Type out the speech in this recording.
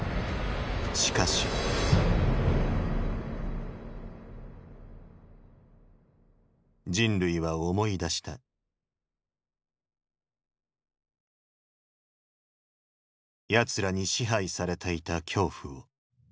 しかし人類は思い出したヤツらに支配されていた恐怖を。